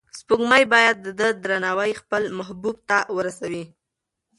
سپوږمۍ باید د ده درناوی خپل محبوب ته ورسوي.